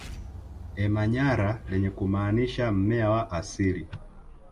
Emanyara lenye kumaanisha mmea wa asili